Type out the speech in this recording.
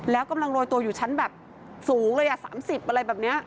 แล้วกำลังโรยตัวอยู่ชั้นแบบสูงเลย๓๐อะไรแบบนี้